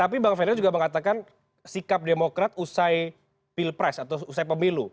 tapi bang ferdinand juga mengatakan sikap demokrat usai pilpres atau usai pemilu